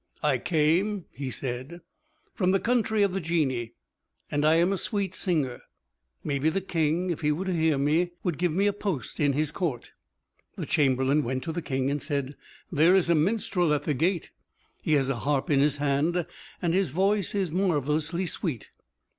"I came," he said, "from the country of the Genii, and I am a sweet singer. Maybe the King, if he were to hear me, would give me a post in his court." The chamberlain went to the King, and said, "There is a minstrel at the gate; he has a harp in his hand, and his voice is marvelously sweet."